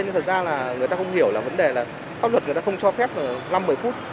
nhưng thật ra là người ta không hiểu là vấn đề là pháp luật người ta không cho phép năm một mươi phút